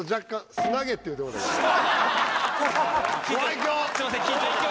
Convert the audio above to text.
すいません。